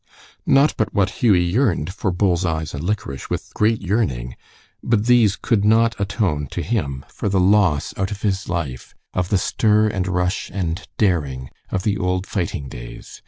Not but what Hughie yearned for bull's eyes and liquorice with great yearning, but these could not atone to him for the loss out of his life of the stir and rush and daring of the old fighting days.